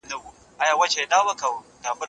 که موږ ټولنه مطالعه نه کړو، نو پر ستونزو نه پوهيږو.